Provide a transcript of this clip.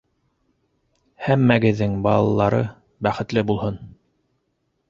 Һәммәгеҙҙең балалары бахетле булһын!